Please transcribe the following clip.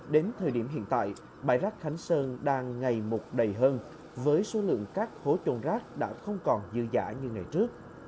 đến thời điểm hiện tại bãi rác khánh sơn đang ngày một đầy hơn với số lượng các hố trôn rác đã không còn dư giả như ngày trước